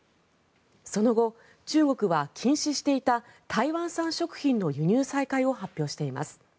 その後、中国は禁止していた台湾産食品の輸入再開を発表しています。